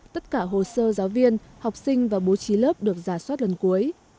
tất cả hồ sơ giáo viên học sinh và bố trí lớp được giả soát lần cuối